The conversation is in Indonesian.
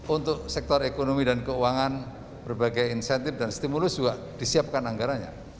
untuk sektor ekonomi dan keuangan berbagai insentif dan stimulus juga disiapkan anggaranya